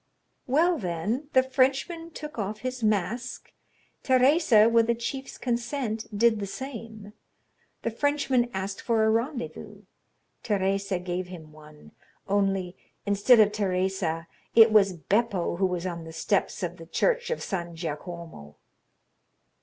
"Well, then, the Frenchman took off his mask; Teresa, with the chief's consent, did the same. The Frenchman asked for a rendezvous; Teresa gave him one—only, instead of Teresa, it was Beppo who was on the steps of the church of San Giacomo."